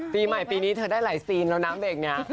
พี่ใหม่ปีนี้เธอได้หลายซีนเราน้ำเบรกไง